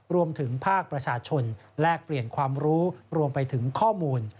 รวมถึงภาคประชาชนแลกเปลี่ยนความรู้รวมไปถึงข้อมูล